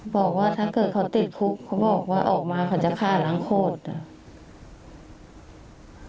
บอกว่าถ้าเกิดเขาติดคุกเขาบอกว่าออกมาเขาจะฆ่าล้างโคตรอ่ะ